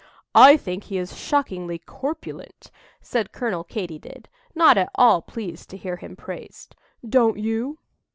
"I think he is shockingly corpulent," said Colonel Katy did, not at all pleased to hear him praised; "don't you?"